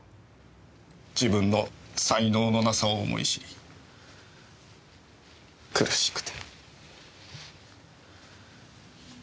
自分の才能のなさを思い知り苦しくて。